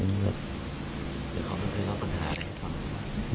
หรือเขาไม่เคยเล่าปัญหาอะไรให้พ่อ